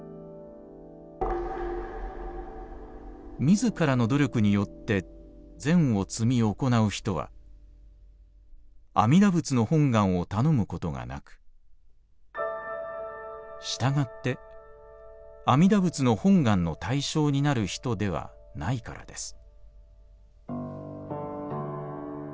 「自らの努力によって善を積み行う人は阿弥陀仏の本願をたのむことがなくしたがって阿弥陀仏の本願の対象になる人ではないからです」。